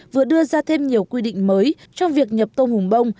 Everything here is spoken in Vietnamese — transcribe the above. vừa đưa ra thêm nhiều quy định mới trong việc nhập tôm hùng bông